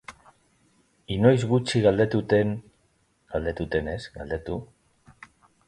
Inoiz gutxi galdetu didate ea espainiar edota euskalduna sentitzen naizen.